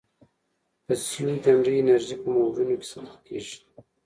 پسیوجنري انرژي په موجونو کې ساتل کېږي.